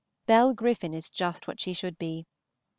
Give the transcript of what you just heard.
Bell Griffin is just what she should be.